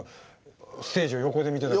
ステージを横で見てた時。